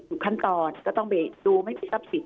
ขั้นตอนก็ต้องไปดูไม่มีทรัพย์สิน